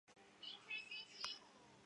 使用莫斯科时间。